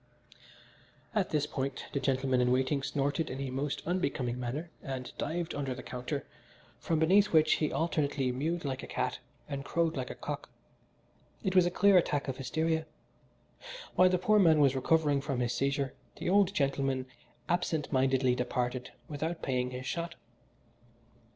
At this point the gentleman in waiting snorted in a most unbecoming manner, and dived under the counter, from beneath which he alternately mewed like a cat and crowed like a cock. It was a clear attack of hysteria. While the poor man was recovering from his seizure the old gentleman absent mindedly departed without paying his shot.